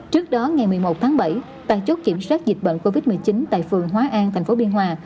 trước đó ngày một mươi một tháng bảy tài chốt kiểm soát dịch bệnh covid một mươi chín tại phường hóa an tp biên hòa